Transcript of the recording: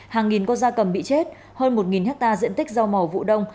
hàng nghìn con da cầm bị chết hơn một hectare diện tích rau màu vụ đông